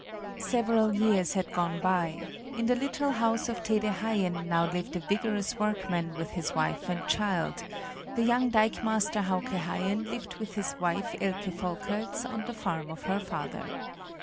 Several years had gone by: in the little house of Tede Haien now lived a vigorous workman with his wife and child; the young dikemaster Hauke Haien lived with his wife Elke Volkerts on the farm of her father.